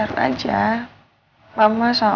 mereka bisa sekawatir itu sama aku